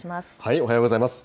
おはようございます。